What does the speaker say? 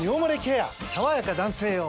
さわやか男性用」